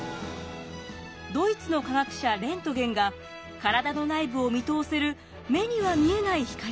ドイツの科学者レントゲンが体の内部を見通せる目には見えない光Ｘ線を発見したのです。